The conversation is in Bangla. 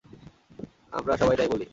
আমরা সবাই তাই বলি।